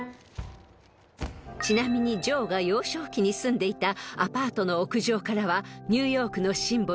［ちなみにジョーが幼少期に住んでいたアパートの屋上からはニューヨークのシンボル